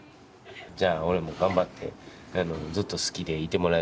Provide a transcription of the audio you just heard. じゃあ俺も頑張ってずっと好きでいてもらえるように頑張るわ。